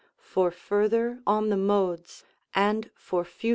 For further on the Modes, and for Fut.